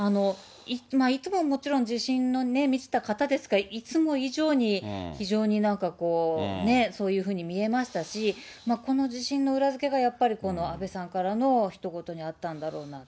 いつももちろん自信に満ちた方ですが、いつも以上に、非常になんかこう、そういうふうに見えましたし、この自信の裏付けが、やっぱりこの安倍さんからのひと言にあったんだろうなと。